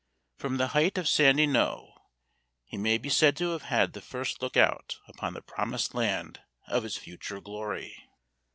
From the height of Sandy Knowe, he may be said to have had the first look out upon the promised land of his future glory.